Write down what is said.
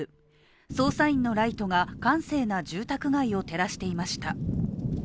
捜査員のライトが閑静な住宅街を照らしていました。